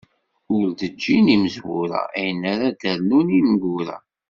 Ur d-ǧǧin imezwura ayen ara ad rnun ineggura.